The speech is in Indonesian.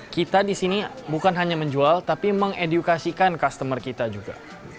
kita di sini bukan hanya menjual tapi mengedukasikan customer kita juga